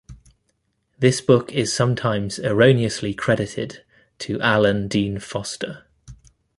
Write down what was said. This book is sometimes erroneously credited to Alan Dean Foster.